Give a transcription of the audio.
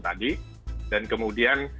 tadi dan kemudian